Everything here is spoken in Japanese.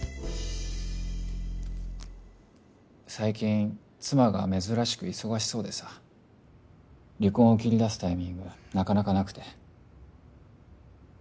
最近妻が珍しく忙しそうでさ離婚を切り出すタイミングなかなかなくて。